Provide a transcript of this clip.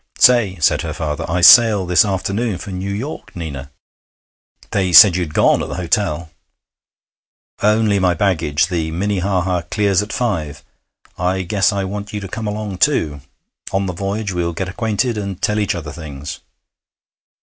'Say,' said her father, 'I sail this afternoon for New York, Nina.' 'They said you'd gone, at the hotel.' 'Only my baggage. The Minnehaha clears at five. I guess I want you to come along too. On the voyage we'll get acquainted, and tell each other things.'